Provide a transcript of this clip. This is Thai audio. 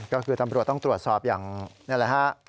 ก็คือตำรวจต้องตรวจสอบอย่างนี่แหละฮะ